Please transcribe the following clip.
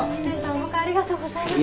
お迎えありがとうございます。